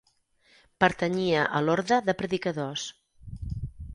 Pertanyia a l'orde de predicadors.